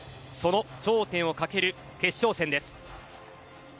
その頂点を懸ける決勝戦です。